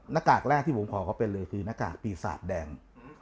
นาคากแรกที่ผมพอเขาเป็นเลยก็คือนาคากปีศาสต์แดง